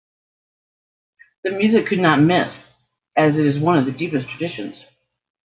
The music could not miss as it is one of the deepest traditions.